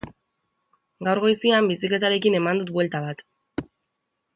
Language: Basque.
Gaur goizian bizikletarekin eman dut buelta bat.